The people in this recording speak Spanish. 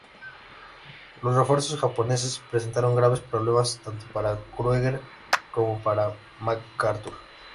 Los refuerzos japoneses presentaron graves problemas tanto para Krueger como para MacArthur.